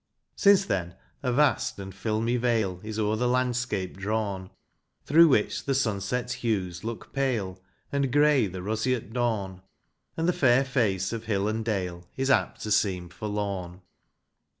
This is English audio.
Since then a vast and filmy veil Is o'er the landscape drawni, Through which the sunset hues look pale, And gray the roseate dawn ; And the fair face of hill and dale Is apt to seem forlorn.